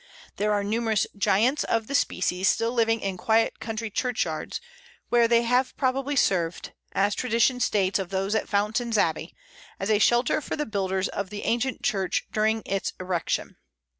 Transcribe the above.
There are numerous giants of the species still living in quiet country churchyards, where they have probably served as tradition states of those at Fountains Abbey as a shelter for the builders of the ancient church during its erection.